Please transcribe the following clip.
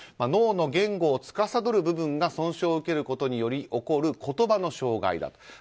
脳の言語をつかさどる部分が損傷を受けることにより起こる言葉の障害だと。